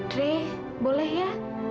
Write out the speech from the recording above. dre boleh ya